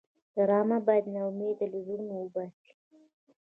ډرامه باید ناامیدي له زړونو وباسي